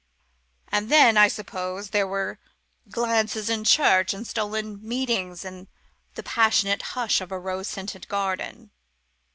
"And then, I suppose, there were glances in church, and stolen meetings in the passionate hush of the rose scented garden."